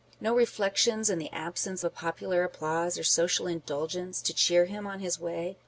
No reflections, in the absence of popular applause or social indulgence, to cheer him on his way